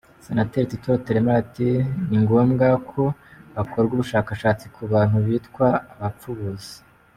Senateri Tito Rutaremara ati “ni ngombwa ko hakorwa ubushakashatsi ku bantu bitwa abapfubuzi.